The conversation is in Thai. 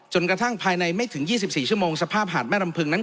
กระทั่งภายในไม่ถึง๒๔ชั่วโมงสภาพหาดแม่ลำพึงนั้น